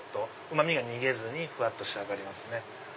うま味が逃げずにふわっと仕上がりますね。